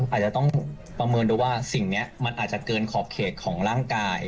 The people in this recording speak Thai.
อาจจะต้องประเมินดูว่าสิ่งนี้มันอาจจะเกินขอบเขตของร่างกาย